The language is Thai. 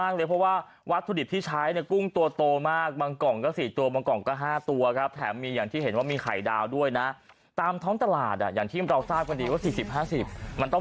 ก็ยังว่าพี่ช่วยตักให้ผมเพิ่มอีกกล่องได้ไหมเออเป็น๓กล่อง